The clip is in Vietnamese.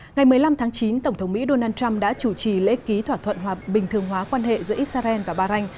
ngày một mươi năm tháng chín tổng thống mỹ donald trump đã chủ trì lễ ký thỏa thuận bình thường hóa quan hệ giữa israel và bahrain